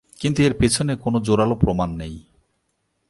কিন্তু এর পেছনে কোন জোরালো প্রমাণ নেই।